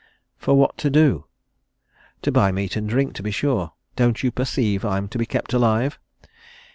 'For what to do?' 'To buy meat and drink, to be sure: don't you perceive I'm to be kept alive?'